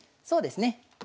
そうですね。